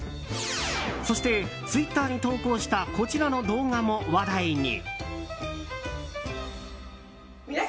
そして、ツイッターに投稿したこちらの動画も話題に。